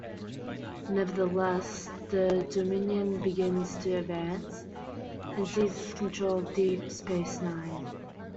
Nevertheless, the Dominion begins to advance, and seizes control of Deep Space Nine.